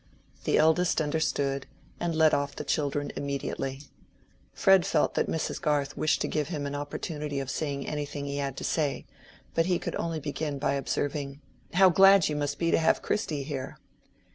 The eldest understood, and led off the children immediately. Fred felt that Mrs. Garth wished to give him an opportunity of saying anything he had to say, but he could only begin by observing— "How glad you must be to have Christy here!"